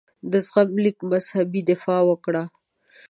د زغم لیک مذهبي دفاع وکړه.